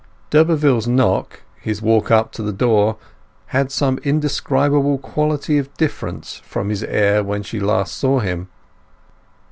D'Urberville's knock, his walk up to the door, had some indescribable quality of difference from his air when she last saw him.